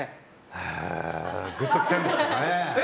はあグッときたんですけどね。